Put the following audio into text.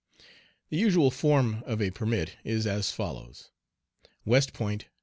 The usual form of a permit is as follows: WEST POINT, N.